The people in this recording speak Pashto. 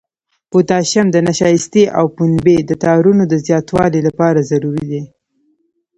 پوتاشیم د نشایستې او پنبې د تارونو د زیاتوالي لپاره ضروري دی.